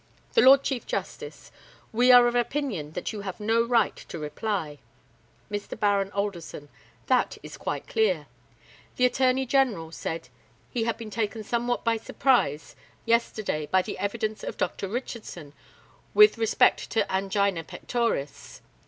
The LORD CHIEF JUSTICE: We are of opinion that you have no right to reply. Mr. BARON ALDERSON: That is quite clear. The ATTORNEY GENERAL said he had been taken somewhat by surprise yesterday by the evidence of Dr. Richardson, with respect to angina pectoris.